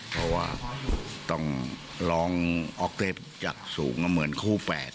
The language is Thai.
เพราะว่าต้องร้องออกเตตจากสูงก็เหมือนคู่แฝด